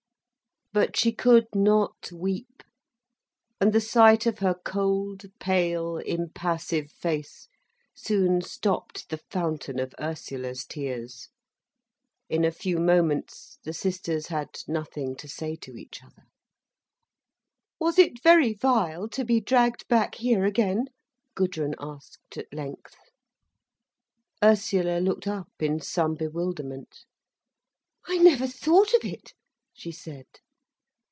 But she could not weep, and the sight of her cold, pale, impassive face soon stopped the fountain of Ursula's tears. In a few moments, the sisters had nothing to say to each other. "Was it very vile to be dragged back here again?" Gudrun asked at length. Ursula looked up in some bewilderment. "I never thought of it," she said.